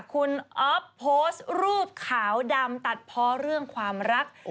คุณอ๊อฟโพสต์รูปขาวดำตัดเพาะเรื่องความรัก